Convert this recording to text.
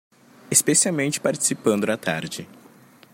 Especialmente participando da tarde